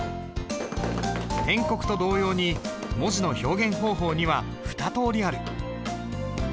篆刻と同様に文字の表現方法には２通りある。